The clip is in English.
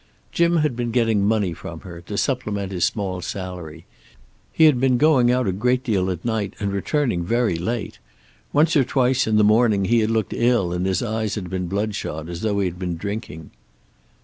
Jim had been getting money from her, to supplement his small salary; he had been going out a great deal at night, and returning very late; once or twice, in the morning, he had looked ill and his eyes had been bloodshot, as though he had been drinking.